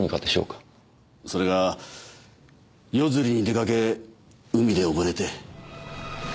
それが夜釣りに出かけ海で溺れて。